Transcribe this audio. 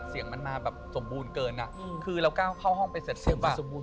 เสียงมันมาสมบูรณ์เกินคือเราก้าวเข้าห้องไปเสร็จปุ๊บ